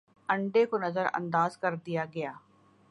انڈے کو نظر انداز کر دیا گیا